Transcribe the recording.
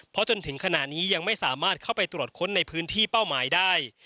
เพราะจนถึงขณะนี้ยังไม่สามารถเข้าไปตรวจค้นในพื้นที่เป้าหมายได้